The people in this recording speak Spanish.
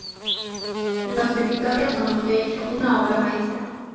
Los de Victoria son, de hecho, una obra maestra.